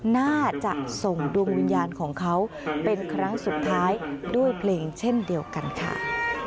น่าจะส่งดวงวิญญาณของเขาเป็นครั้งสุดท้ายด้วยเพลงเช่นเดียวกันค่ะ